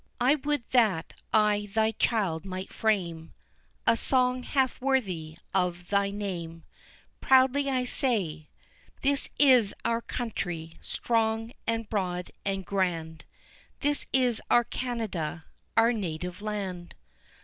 I would that I thy child might frame A song half worthy of thy name, Proudly I say This is our country, strong, and broad and grand, This is our Canada, our native land!